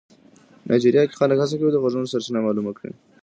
نایجیریا کې خلک هڅه کوي د غږونو سرچینه معلومه کړي.